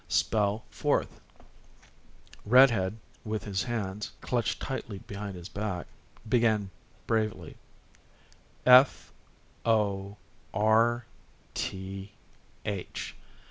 "Spell fourth." "Red Head," with his hands clutched tightly behind his back, began bravely: "F o r t h."